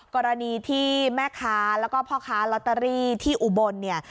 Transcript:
กรณีที่แม่ค้าแล้วก็พ่อค้าลอตเตอรี่ที่อุบลเนี่ย